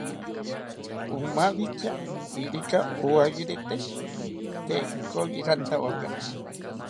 omawitya irika woyayirite, tee ikoyi rantawakaya